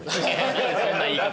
そんな言い方。